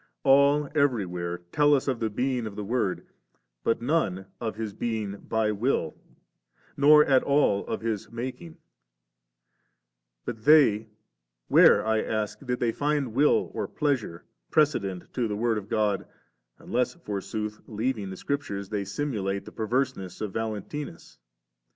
All everywhere tell us of the being of the Word, but none of His being * by will,' nor at all of His making ; but they, where, I ask, did they find will or pleasure 'precedent* 'to the Word of God, unless forsooth, leaving the Scriptures, they simulate the perverseness of Valentmus?